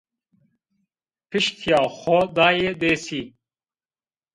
Piştîya xo daye dêsî